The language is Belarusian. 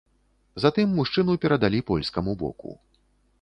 Затым мужчыну перадалі польскаму боку.